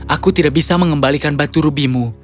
aku tidak bisa mengembalikan batu rubimu